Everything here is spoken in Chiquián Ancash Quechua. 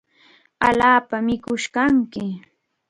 Allaapam mikush kanki.